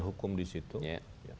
hukum di situ ya